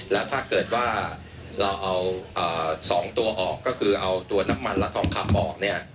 แล้วถ้าเกิดว่าเราเอา๒ตัวออกก็คือเอาตัวน้ำมันและทองคำออกเนี่ย